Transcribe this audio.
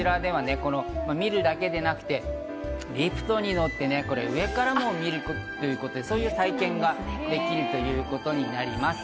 さらにこちらでは見るだけでなくて、リフトに乗って、上からも見るということで、そういう体験ができるということになります。